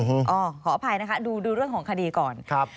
เออขออภัยนะคะดูเรื่องของคดีก่อน